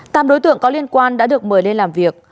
tạm đối tượng có liên quan đã được mời lên làm việc